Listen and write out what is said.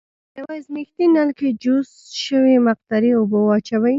په یوه ازمیښتي نل کې جوش شوې مقطرې اوبه واچوئ.